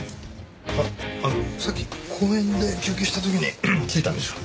あっさっき公園で休憩した時についたんでしょう。